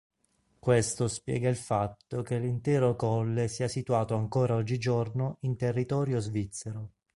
Questo spiega il fatto che l'intero colle sia situato ancora oggigiorno in territorio svizzero.